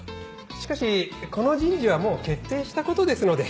しかしこの人事はもう決定したことですので。